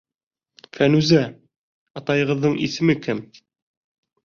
Фәнүзә... атайығыҙҙың исеме кем?